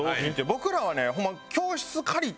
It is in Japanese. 僕らはねホンマ。